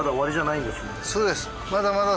そうです。